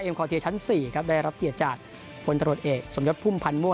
คอเทียชั้น๔ครับได้รับเกียรติจากพลตรวจเอกสมยศพุ่มพันธ์มั่ว